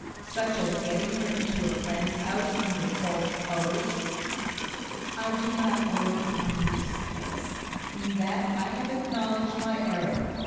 "Such as getting her into a friend's house under false colours." "I do not argue on Ruth's case. In that I have acknowledged my error.